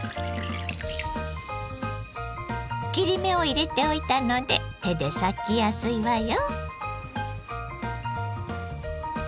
切り目を入れておいたので手で裂きやすいわよ。